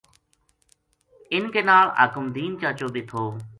اِنھ کے نال حاکم دین چا چو بے تھو